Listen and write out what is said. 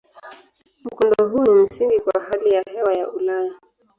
Mkondo huu ni msingi kwa hali ya hewa ya Ulaya.